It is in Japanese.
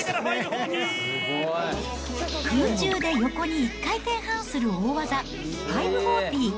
空中で横に１回転半する大技、５４０。